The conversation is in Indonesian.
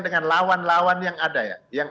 dengan lawan lawan yang ada ya yang